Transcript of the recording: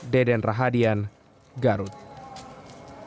deden rahadian garut kota